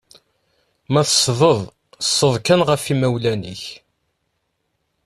Ma teṣṣdeḍ, ṣṣed kan ɣef imawlan-ik!